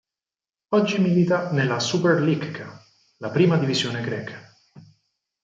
Oggi milita nella Souper Ligka, la prima divisione greca.